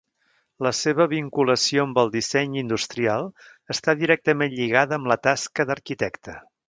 La seva vinculació amb el disseny industrial està directament lligada amb la seva tasca d'arquitecte.